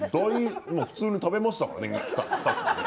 普通に食べましたからね、２口。